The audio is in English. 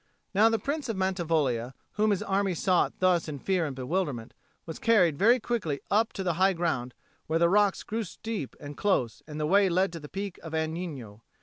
Now the Prince of Mantivoglia, whom his army sought thus in fear and bewilderment, was carried very quickly up to the high ground, where the rocks grew steep and close and the way led to the peak of Agnino.